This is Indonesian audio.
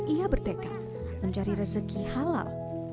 ia bertekad mencari rezeki halal